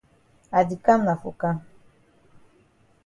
I di kam na for kam.